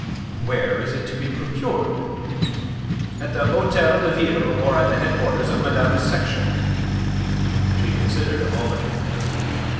"Where is it to be procured?" "At the Hotel de Ville or at the headquarters of madame's section." She considered a moment.